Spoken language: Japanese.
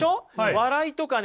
笑いとかね